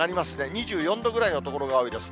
２４度ぐらいの所が多いです。